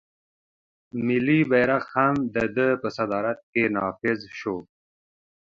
ملي بیرغ هم د ده په صدارت کې نافذ شو.